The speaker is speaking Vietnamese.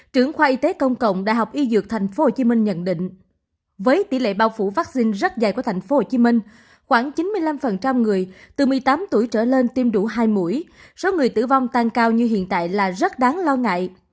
trưởng khoa y tế công cộng đại học y dược thành phố hồ chí minh nhận định với tỷ lệ bao phủ vaccine rất dài của thành phố hồ chí minh khoảng chín mươi năm người từ một mươi tám tuổi trở lên tiêm đủ hai mũi số người tử vong tăng cao như hiện tại là rất đáng lo ngại